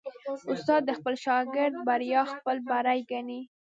استاد د خپل شاګرد بریا خپل بری ګڼي.